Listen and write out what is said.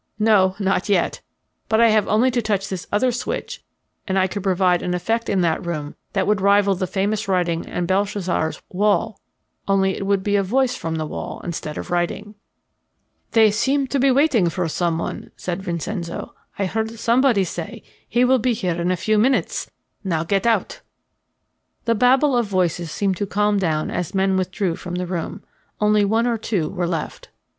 "No, not yet. But I have only to touch this other switch, and I could produce an effect in that room that would rival the famous writing on Belshazzar's wall only it would be a voice from the wall instead of writing." "They seem to be waiting for someone," said Vincenzo. "I heard somebody say: 'He will be here in a few minutes. Now get out.'" The babel of voices seemed to calm down as men withdrew from the room. Only one or two were left.